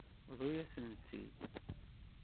Bḍu-yasen-tt-id.